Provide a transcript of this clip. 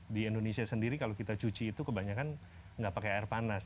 di indonesia sendiri kalau kita cuci itu kebanyakan nggak pakai air panas